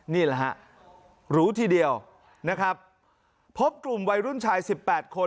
นี่แหละฮะหรูทีเดียวนะครับพบกลุ่มวัยรุ่นชาย๑๘คน